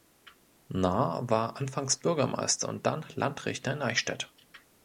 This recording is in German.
Nar war anfangs Bürgermeister und dann Landrichter in Eichstätt.